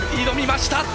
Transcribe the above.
挑みました。